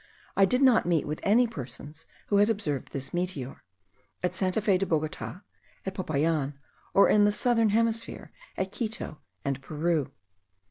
I did not meet with any persons who had observed this meteor, at Santa Fe de Bogota, at Popayan, or in the southern hemisphere, at Quito and Peru.